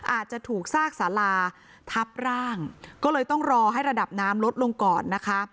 อาจจะถูกซากสาราทับร่างก็เลยต้องรอให้ระดับน้ำลดลงก่อนนะคะ